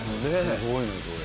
すごいねこれ。